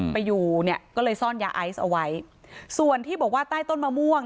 ไปอยู่เนี่ยก็เลยซ่อนยาไอซ์เอาไว้ส่วนที่บอกว่าใต้ต้นมะม่วง